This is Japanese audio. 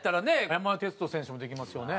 山田哲人選手もできますよね。